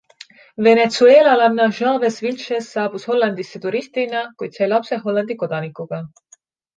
Venezuelalanna Chavez-Vilchez saabus Hollandisse turistina, kuid sai lapse Hollandi kodanikuga.